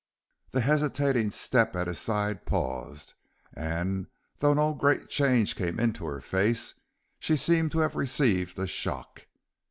The hesitating step at his side paused, and though no great change came into her face, she seemed to have received a shock.